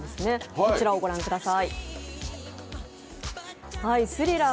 こちらを御覧ください。